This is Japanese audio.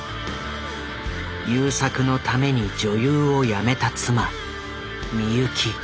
優作のために女優をやめた妻美由紀。